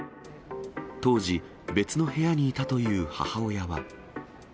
当時、別の部屋にいたという母親は。